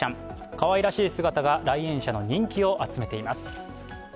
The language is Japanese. かわいらしい姿が来園者の人気を集めています。